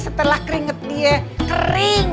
setelah keringet dia kering